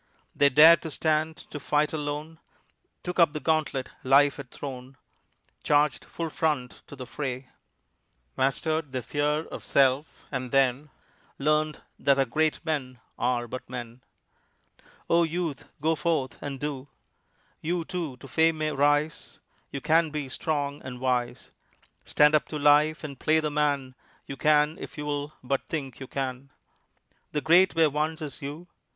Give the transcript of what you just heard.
They dared to stand to fight alone, Took up the gauntlet life had thrown, Charged full front to the fray, Mastered their fear of self, and then Learned that our great men are but men. Oh, Youth, go forth and do! You, too, to fame may rise; You can be strong and wise. Stand up to life and play the man You can if you'll but think you can; The great were once as you.